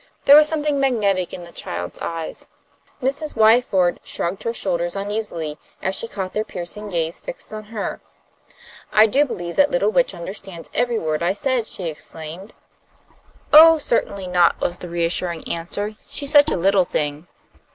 There was something magnetic in the child's eyes. Mrs. Wyford shrugged her shoulders uneasily as she caught their piercing gaze fixed on her. "I do believe that little witch understood every word I said," she exclaimed. "Oh, certainly not," was the reassuring answer. "She's such a little thing."